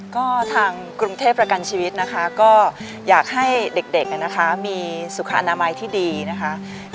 ก็ทางกรุงเทพประกันชีวิตนะคะก็อยากให้เด็กมีสุขอนามัยที่ดีนะคะ